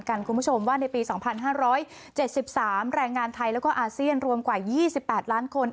คุณผู้ชมว่าในปี๒๕๗๓แรงงานไทยแล้วก็อาเซียนรวมกว่า๒๘ล้านคน